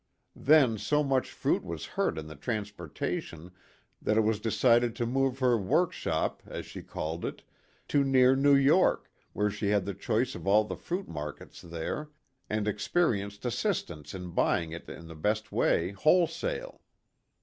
Then so much fruit was hurt in the transportation that it was decided to move her " workshop " as she called it to near New York where she had the choice of all the fruit markets there, and experienced assistance in buying it in the best way, wholesale.